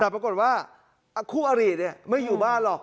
แต่ปรากฏว่าคู่อริไม่อยู่บ้านหรอก